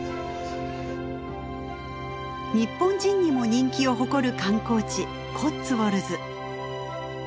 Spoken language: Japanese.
日本人にも人気を誇る観光地コッツウォルズ。